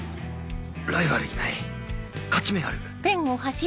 「ライバルいない勝ち目ある」。